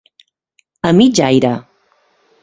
A mig aire.